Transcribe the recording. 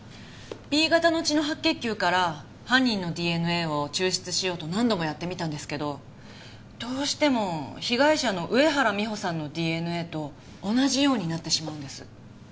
Ｂ型の血の白血球から犯人のＤＮＡを抽出しようと何度もやってみたんですけどどうしても被害者の上原美帆さんのＤＮＡと同じようになってしまうんです。